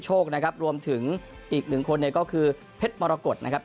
โชคนะครับรวมถึงอีกหนึ่งคนเนี่ยก็คือเพชรมรกฏนะครับ